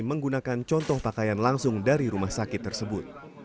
menggunakan contoh pakaian langsung dari rumah sakit tersebut